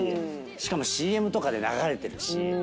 しかもＣＭとかで流れてるし。